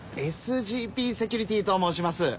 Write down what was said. ＳＧＰセキュリティと申します。